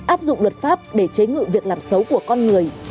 áp dụng luật pháp để chế ngự việc làm xấu của con người